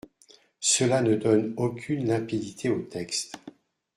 Cela ne donne aucune limpidité au texte.